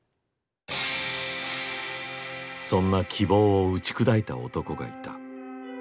そんな希望を打ち砕いた男がいた。